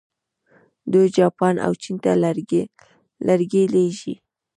دوی جاپان او چین ته لرګي لیږي.